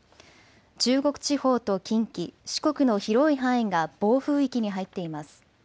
中国地方と近畿、四国の広い範囲が暴風域に入っています。